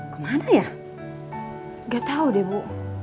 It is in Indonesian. kemana ya gak tahu deh bu